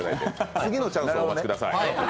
次のチャンスをお待ちください。